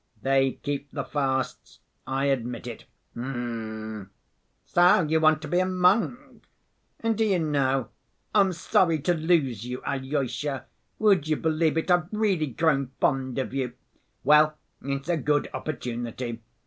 They keep the fasts. I admit it.... H'm.... So you want to be a monk? And do you know I'm sorry to lose you, Alyosha; would you believe it, I've really grown fond of you? Well, it's a good opportunity.